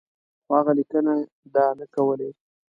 خو هغه لیکني ده نه کولې.